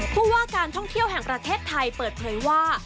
ผู้ว่าการท่องเที่ยวแห่งประเทศไทยเปิดเผยว่า